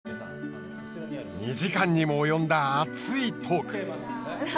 ２時間にも及んだ熱いトーク。